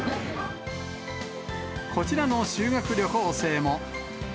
こちらの修学旅行生も。